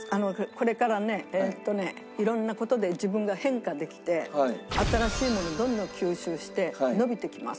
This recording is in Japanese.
これからねえっとね色んな事で自分が変化できて新しいものどんどん吸収して伸びてきます。